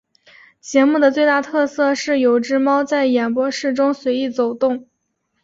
节目的最大特色是有只猫在演播室中随意走动。